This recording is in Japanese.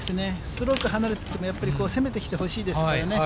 ストローク離れてても、攻めてきてほしいですからね。